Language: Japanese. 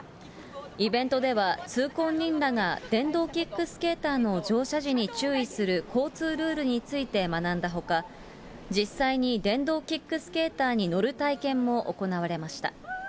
イベントでは通行人らが電動キックスケーターの乗車時に注意する交通ルールについて学んだほか、実際に電動キックスケーターに乗る体験も行われました。